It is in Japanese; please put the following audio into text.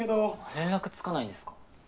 連絡つかないんですか？